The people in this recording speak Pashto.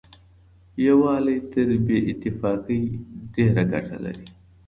يووالی تر بې اتفاقۍ ډېره ګټه لري.